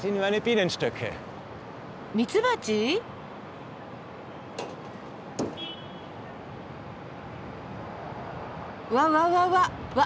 ミツバチ？わうわうわうわ！